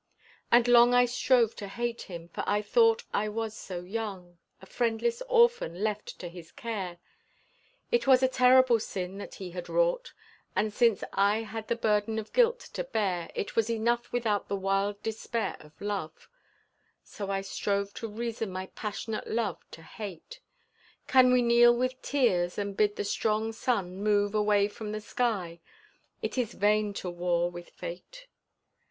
And long I strove to hate him, for I thought I was so young, a friendless orphan left to his care, It was a terrible sin that he had wrought, And since I had the burden of guilt to bear It was enough without the wild despair of love, So I strove to reason my passionate love to hate. Can we kneel with tears and bid the strong sun move Away from the sky? It is vain to war with fate.